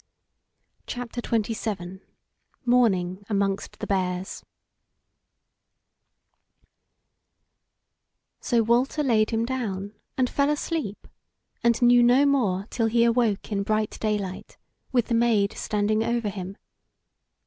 CHAPTER XXVII: MORNING AMONGST THE BEARS So Walter laid him down and fell asleep, and knew no more till he awoke in bright daylight with the Maid standing over him.